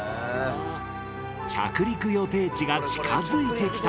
着陸予定地が近づいてきた！